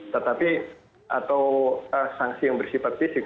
tetapi atau sanksi yang bersifat fisik